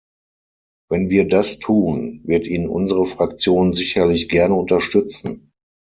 Wenn wir das tun, wird ihn unsere Fraktion sicherlich gerne unterstützen.